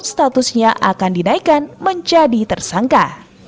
statusnya akan dinaikkan menjadi tersangka